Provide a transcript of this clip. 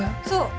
そう。